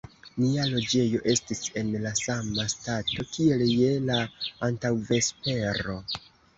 Nia loĝejo estis en la sama stato, kiel je la antaŭvespero.